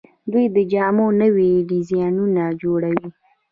دوی د جامو نوي ډیزاینونه جوړوي.